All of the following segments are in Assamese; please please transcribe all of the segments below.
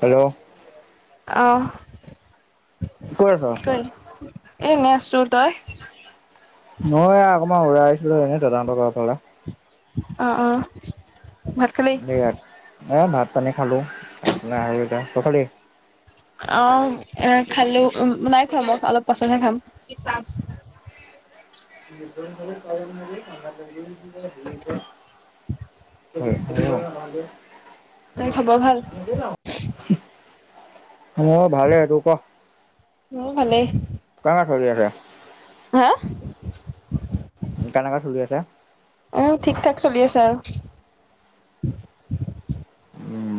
হেল্ল' অ'হ। ক'ত আছ? কি? এ এনে আছো। তই? মই এয়া অকণমান ওলাই আহছিলো, এনেই দাদাহঁতৰ ঘৰৰফালে অ'হ। অ'হ। ইয়াত এ ভাত -পানী খালো। একলা আৰু এতা, তই খালি? অ'হ। এয়া খালোঁ। উম, নাই খোৱা। মই অলপ পাছত হে খাম। [unintelligible] তাই খবৰ ভাল [unintelligible] মোৰ ভালেই। তোৰ ক মোৰো ভালেই। কেনে চলি আছে? হা কেনেকা চলি আছে? এম ঠিক-ঠাক চলি আছে আৰু। উম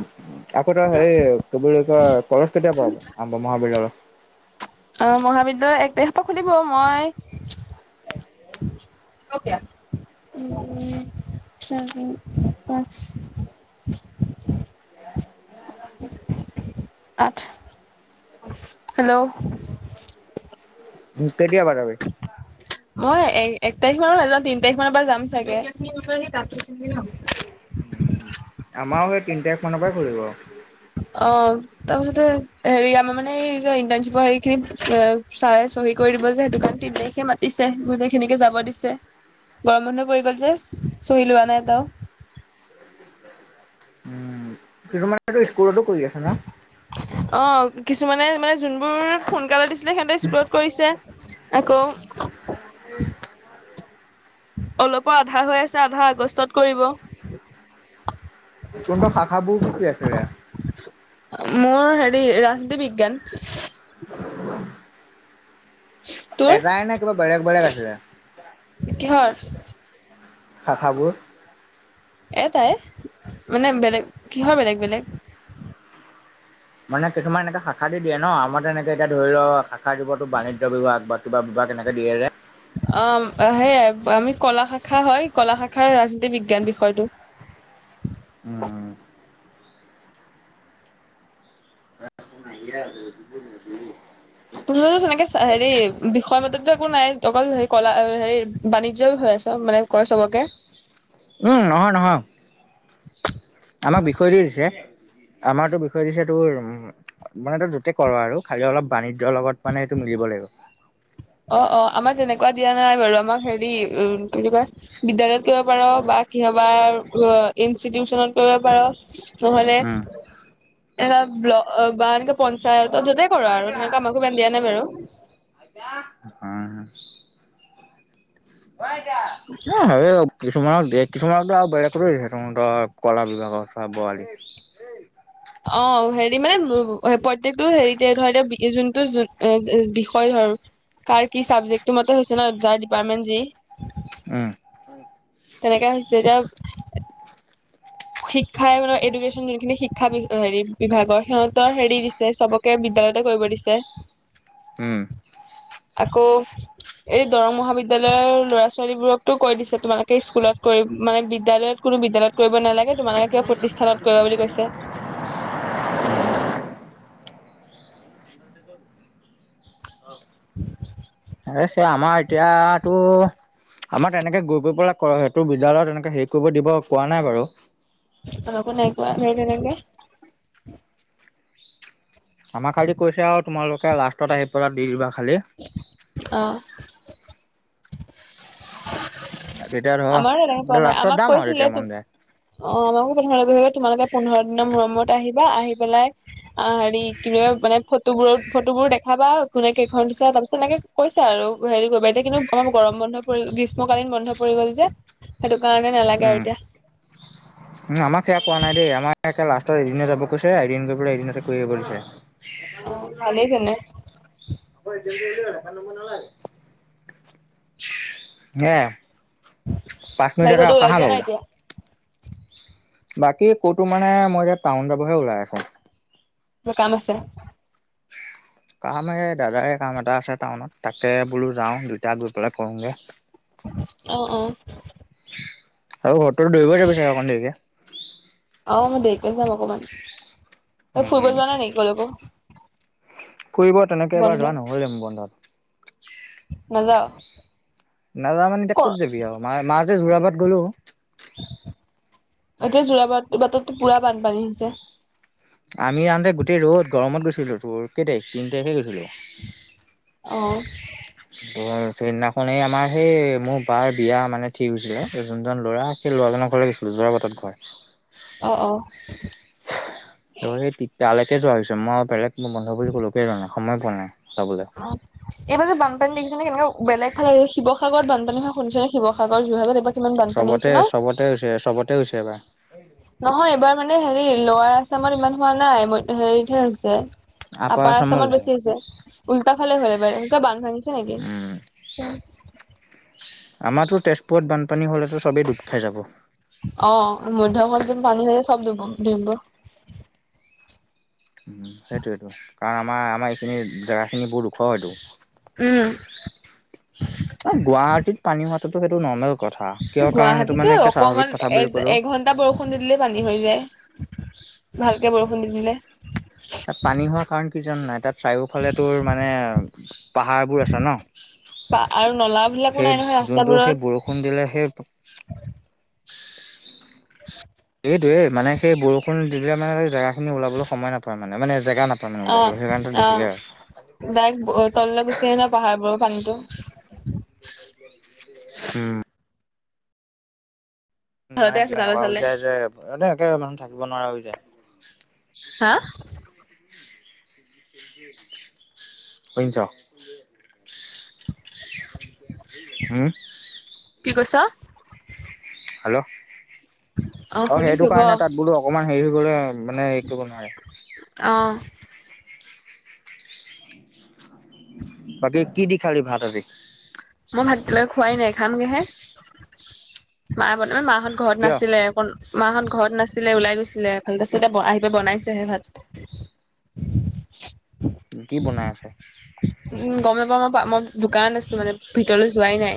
আকৌ তই, হেৰি কি বুলি কয়- কলেজ কেতিয়া পা হ'ব? মহাবিদ্যালয় মহাবিদ্যালয় এক তাৰিখ পৰা খুলিব। মই অ'কে। উম। চাৰি- পাচঁ [inaudible] [unintelligible] হেল্ল' কেতিয়া পা যাবি? মই এ এক তাৰিখে বাও নাযাওঁ। তিন তাৰিখ মানৰ পৰা যাম চাগে আমাৰো সেই তিনতাৰিখ মানৰ পৰাই খুলিব। অ'হ। তাৰপিছতে হেৰি, আমাৰ মানে এই যে ইণ্টাৰ্ণশ্বিপৰ হেৰিখিনি এ চাৰে চহী কৰি দিব যে। সেইটো কাৰণে তিন তাৰিখে মাতিছে। গোটেই খিনিকে যাব দিছে। গৰম বন্ধ পৰি গল যে চহী লোৱা নাই এটাও [inaudible] কিছুমানেতো স্কুলতো কৰি আছে ন অ'হ। কিছুমানে মানে যোনবোৰ সোনকালে দিছিলে সিহঁতে স্কু - লত কৰিছে। আকৌ অলপৰ আধা হৈ আছে। আধা আগষ্টত কৰিব। তোহঁতৰ শাখাবোৰ কি কি আছিলে? মোৰ হেৰি, ৰাজনীতি বিজ্ঞান তোৰ এটাই নে কিবা বেলেগ বেলেগ আছিলে? কিহৰ? শাখাবোৰ? এটাই, মানে বেলে-কিহৰ বেলেগ বেলেগ? মানে কিছুমান এনেকে শাখা দি দিয়ে ন, আমাৰটো তেনেকে এতিয়া ধৰি ল শাখা দিব তোৰ বাণিজ্য বিভাগ কিবা বিভাগ এনেকৈ দিয়ে যে অ', হেৰি আমি কলা শাখা হয়, কলা শাখাৰ ৰাজনীতি বিজ্ঞান বিষয়টো। উম। [unintelligible] তোমালোক সেনেকে চা-হেৰি বিষয় মতেতো একো নাই, অকল হেৰি কলা-এই হেৰি বাণিজ্যই হৈ আছে-মানে কয় চবকে? উম, নহয় নহয়। [inaudible] আমাক বিষয় দি দিছে। আমাৰতো বিষয় দিছে তোৰ মানে তই য'তে কৰ আৰু, খালি অলপ বাণিজ্যৰ লগত মানে এইটো মিলিব লাগিব। অ' অ', আমাক যেনেকুৱা দিয়া নাই বাৰু, আমাক হেৰি উম, কি বুলি কয় বিদ্যালয়ত কৰিব পাৰ বা কিহবাৰ অ' ইনষ্টিটিউচনত কৰিব পাৰ। নহ'লে, উম এনেকুৱা ব্লক অ'-বা এনেকে পঞ্চায়তত, য'তেই কৰ আৰু, তেনেকুৱা আমাকো ইমান দিয়া নাই বাৰু। উম অ' আইতা [unintelligible] অ' হেৰি, কিছুমানক দিয়ে-কিছুমানকতো আৰু বেলেগতো দিছে, তহঁতৰ কলা বিভাগৰ [unintelligible] অ', হেৰি মানে প্ৰত্যেকটো হেৰিতে ধৰ এতিয়া, যোনটো-যোন অ'-এ' বিষয় হয় কাৰ কি ছাবজেক্টটো মতে হৈছে ন, যাৰ ডিপাৰ্টমেণ্ট যি। উম তেনেকুৱা হৈছে, এতিয়া শিক্ষাই মানে এডুকেশ্যন যোনখিনি শিক্ষা বি-অ' হেৰি বিভাগৰ, সিহঁতৰ হেৰি দিছে, চবক কে বিদ্যালয়তে কৰিব দিছে। উম। আকৌ এই দৰং মহাবিদ্যালয়ৰ ল'ৰা-ছোৱালীবোৰকতো কৈ দিছে, তোমালোকে স্কুলত কৰি মানে বিদ্যালয়ত কোনো বিদ্যালয়ত কৰিব নালাগে, তোমালোকে কিবা প্ৰতিষ্ঠানত কৰিবা বুলি কৈছে। [unintelligible] অৱশ্যে, আমাৰ এতিয়াতো আমাৰ তেনেকে গৈ গৈ পেলাই কৰ-সেইটো বিদ্যালয়ত তেনেকে হেৰি কৰিব দিব, কোৱা নাই বাৰু। আমাকো নাই কোৱা, সেই তেনেকে আমাৰ খালি কৈছে আৰু তোমালোকে লাষ্টত আহি পেলাই দি দিবা খালি। অ'। তেতিয়া আমাৰো তেনেকে ধৰ, কোৱা নাই লাষ্টত আমাক যাম আৰু যেতিয়া কৈছিলে মন যায়। অ', আমাকো প্ৰথমেতে কৈছে যে, তোমালোকে পোন্ধৰ দিনৰ মূৰে মূৰত আহিবা, আহি পেলাই আ' হি, কি বুলি কয়, মানে ফট টোবোৰত-ফটোবোৰ দেখাবা কোনে কেইখন দিছা, তাৰপিছত এনেক কৈছে আৰু হেৰি কৰিবা, এতিয়া কিন্তু আমাৰ গৰম বন্ধ পৰি-গ্ৰীষ্মকালীন বন্ধ পৰি গ'ল যে, সেইটোকাৰণে নালাগে আৰু এতিয়া। উম, আমাক সেয়া কোৱা নাই দেই, আমাক একে লাষ্টত এদিনে যাব কৈছে দিন-দুপৰীয়া এদিনতে কৰিব আহিব দিছে। অ ভালেই তেনে [unintelligible] পাঁচ মিনিট বাকী এটা কতো ৰখা ওলাই হা যোৱা বাৰু নাই এতিয়া? বাকী কতো মানে, মই এতিয়া টাউন যাবহে ওলাই আছোঁ। কিবা কাম আছে? কাম এই, দাদাৰে কাম এটা আছে টাউনত। তাকে বোলোঁ যাওঁ, দুইটাই গৈ পেলাই কৰোঁগে। [unintelligible] অহ, অহ। আৰু তইতো দৌৰিব ভাবি অকণ দেৰিকে। অহ, মই দেৰিকৈ যাম অকণমান। তই ফুৰিব উম, যোৱা নাই নেকি ক'লৈকো। ফুৰিব তেনেকে এটা বন্ধত যোৱা নহ'লে মোৰ বন্ধত। নযাওঁ নাযা মানে এতিয়া ক'ত যাবি আৰু মাতে য জোৰাবাত গ'লো। এতিয়া জোৰাবাটতো পুৰা বানপানী হৈছে। আমি যাওঁতে গোটেই ৰ'দ গৰমত গৈছিলো তোৰ কেইতাৰিখ তিন তাৰিখে গৈছিলো। অ, সেইদিনাখন এই আমাৰ সেই মোৰ বাইৰ বিয়া মানে ঠিক হৈছিলে যোনজন ল'ৰা। সেই ল'ৰা জনৰ ঘৰলৈ গৈছিলো জোৰাবাটত ঘৰ অ, অ, অ, এই তালৈকে যোৱা হৈছে মই আৰু বেলেগ গৰম বন্ধ বুলি ক'লোকে যোৱা নাই সময় পোৱা নাই যাবলৈ। অ, এইবাৰ যে বানপানী দেখিছ নে কেনেকা বেলেগ ফালে শিৱসাগৰত বানপানী হয় শুনিছে নে শিৱ [inaudible] যোৰহাটত এইবোৰ চবতে-চবতে উছে চবতে ইউচ কৰিবা। নহয় এইবাৰ মানে হেৰি লৰা আছামত ইমান হোৱা নাই, হেৰিতহে হৈছে আপাৰ আছামত আসামত হৈছে। বেছি হৈছে। উল্টা ফালে হ'ল এইবাৰ বান্ধ ভাঙিছে নেকি? উম, আমাৰতো তেজপুৰত বানপানী হ'লেতো চবেই ডুব খাই যাব। অ, মধ্যঅসম যাবলে হ'লে চব দুবিব উ, সেইটোৱেটো কাৰণ আমাৰ আমাৰ এইখিনি জেগাখিনি বহু উখ হয়তটো। উম, গুৱাহাটীত পানী হোৱাাততো সেইটো নৰ্মেল। কথা কিয় কাৰণ সেইটো মানে এক স্বাভাৱিক কথা বুলি কলোঁ। তাত বৰষুণ দি দিলেই পানী হৈ যায়, ভালকে বৰষুণ দি দিলে। তাত পানী হোৱাৰ কাৰণ কি জানা নাই, তাত চাৰিওফালে তোৰ মানে পাহাৰবোৰ আছে ন আৰু নলা বিলাকো সেই নাই নহয় যোনটো ৰাস্তাবোৰত। [inaudible] দিলে সেই এইটোৱে মানে সেই বৰষুণ দিলে মানে জেগাখিনি ওলাবলৈ সময় নাপাই মানে-মানে জেগা নাপায়। মানে অ, ওলাবলৈ সেইকাৰণে তাত অ, বেছিকে ডাইৰেক তললৈ গুচি আহে ন পাহাৰবোৰৰ পানীটো [inaudible] উম, মানে ঘৰতে আছো তালে এনেকুৱা হৈ চালে যায় যে, এনে একে মানুহ থাকিব নোৱাৰা হৈ যায়। আহ, শুনিছ? উম, কি কৈছ? হেল্ল' অ, অ সেইটো শুনিছো ক কাৰণে তাত বোলো অকণমান হেৰি হৈ গলৈ মানে হে কৰিব নোৱাৰে। অ। বাকী কি দি খালি ভাত আজি? মই ভাত লে খোৱাই নাই খামগেহে মায়ে বৰ্তমান মাহঁত ঘৰত কিয় নাছিলে। বন মাহত ঘৰত নাছিলে ওলাই গৈছিলে ভালক আছিল এতিয়া আহি পাই বনাইছেহে ভাত। কি বনাই আছা? উম, গমে পাওঁ মই মই দোকান আছোঁ মানে ভিতৰলৈ যোৱাই নাই।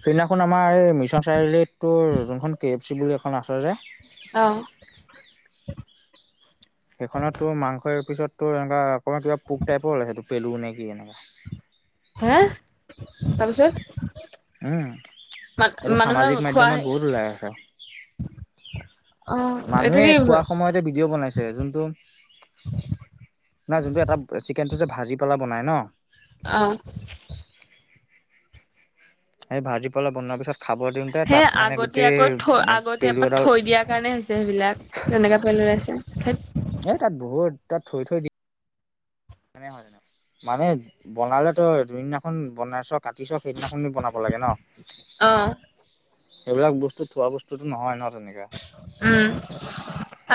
সিদিনাখন আমাৰ এই মিছন চাৰিআলিত টোৰ যোনখন কে। চি এখন আছে জে। অ। সেইখনত তোৰ মাংসৰ এ পিছতো এনেকা অকমান কিবা পোক টাইৰ ওলাইছেইটো পেলু নে কি এনেকে। হেহ, তাৰপিছত। উম, মান এইটো মানুহে সামাজিক খোৱা মাধ্যমত বহুত ওলাই আছে। অ এইটো মানুহে কি খোৱা সময়তে ভিডিঅ' বনাইছে যোনটো। বা জোকে এটা বেছি কে আছে যে ভাজি পেলাই বনায় ন। অ। এই ভাজি পোলাও বনোৱাৰ পিছত খাব দিম। সেই আগতীয়াকৈ থৈ আগতীয়াৰ পৰা এডাল থৈ দিয়া। সেই কাৰণে হৈছে সেইবিলাক তেনেকা পেল ওলাইছে ধেৎ। এ তাত বহুত তাত থৈ থৈ দি। তেনেকা হয়। মানে বনালে টো যোনদিনাখন বনাইছ কাটিছ সেইদিনাখনে বনাব লাগে ন। অ। সেইবিলাক বস্তু থোৱা বস্তুতো নহয় ন তেনেকে। উম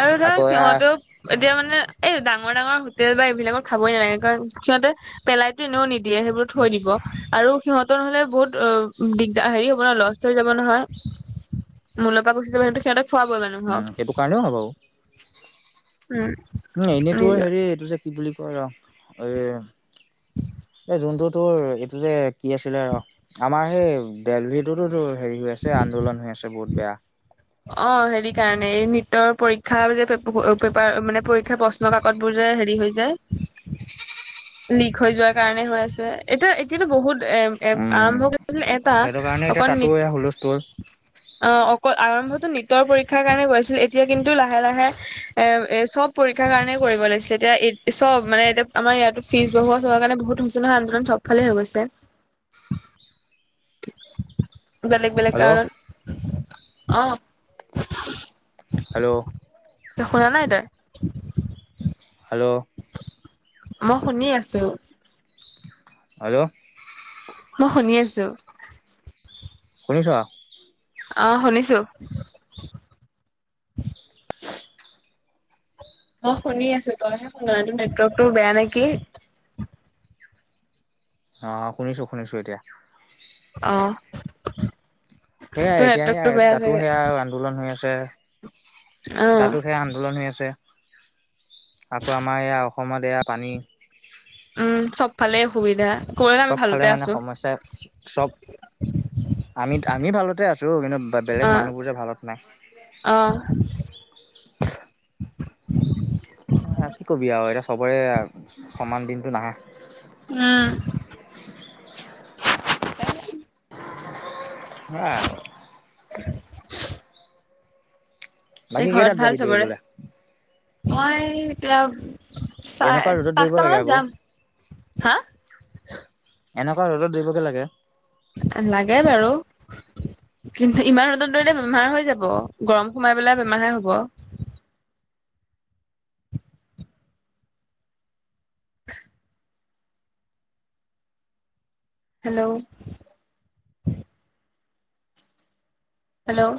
আৰু ধৰা আকৌ এয়া সিহঁতেও। এতিয়া মানে এই ডাঙৰ ডাঙৰ হোটেল বা এইবিলা ক'ত খাবই নালাগে কাৰণ সিহঁতে পেলাই। তেনেও নিদিয়ে সেইবোৰ থৈ দিব আৰু সিহঁত। তো নহ'লে বহুত অ দিগদাৰ হেৰি হ'ব নহয় লষ্ট হৈ যাব নহয় মুল্যৰ পৰা গুচি যাব সেইটো। খুৱাবয়ে মানুহক। কাল ও হ'ব। উম। উম এনেইতো নিজ হেৰি এইটো যে কি বুলি কয় ৰহ এ। এই যোনটো তোৰ এইটো যে কি আছিলে আমাৰ সেই। দেল্হীতোতো হেৰি হৈ আছে আন্দোলন হৈ আছে বহুত বেয়া। অ হেৰি কাৰণে এই নীতৰ পৰীক্ষা যে পেপাৰ মানে পৰীক্ষা প্ৰশ। প্ৰশ্ন কাকতবোৰ যে হেৰি হৈ যায়। লিক হৈ যোৱাৰ কাৰণে হৈ আছে। এতিয়া এতিয়াটো বহুত এম এ উম আৰম্ভ কৰিছিল এটা সেইটো কাৰণে এতিয়া অকণ তাতো এয়া নীত। হুলস্থুল। অ অকল আৰম্ভটো নীটৰ পৰীক্ষাৰ কাৰণে হৈ আছিল এতিয়া কিন্তু লাহে লাহে। এ এ চব পৰীক্ষাৰ কাৰণে কৰিব ওলাইছে এতিয়া চব মানে এতিয়া আমাৰ ইয়াতো। ফিজ বঢ়হোৱা চহোৱাৰ কাৰণে বহুত হৈছে নহয় আন্দোলন সব ফালে হৈ গৈছে। বেলেগ বেলেগ হেল্ল' কাৰণত অ। হেল্ল। শুনা নাই তই। হেল্লো মই শুনি আছো হেল্ল মই শুনি আছো। শুনিছ অ শুনিছো মই শুনি আছো তইহে শুনা নাই টোৰ নেটৱৰ্কটো বেয়া নেকি অ শুনিছো শুনিছো এতিয়া। অ সেয়াই তোৰ এতিয়া সেয়া নেটৱৰ্কটো বেয়া তাতো চাগে সেয়া আন্দোলন হৈ আছে অ তাতো সেয়া আন্দোলন হৈ আছে। আকৌ আমাৰ এইয়া অসমত এয়া পানী। উম সব ফালে অসুবিধা। কবলৈ আমি সবফালে ভালতে মানে আছো সমস্যাই সব আমিত আমি ভালতে আছোঁ কিন্তু বেলেগ মানুহবোৰ যে ভালত নাই। অঁ কি কবি আও এতিয়া সবৰে সমান দিনটো নাহে। উম সেয়াই আৰু [inaudible] বাকী ঘৰত কেইটাত যাবি ভাল সবৰে দৌৰিবলে মই এতিয়াও। এনেকুৱা চাৰে ৰ'দত দৌৰিব পাঁচটা লাগে মানত আকৌ যাম হা। এনেকুৱা ৰ'দত দৌৰিব গৈ লাগে? লাগে বাৰু। কিন্তু ইমান ৰ'দত দৌৰিলে বেমাৰ হৈ যাব। গৰম সোমাই পেলাই বেমাৰহে হ'ব। [unintelligible] হেল্ল'। হেল্ল'।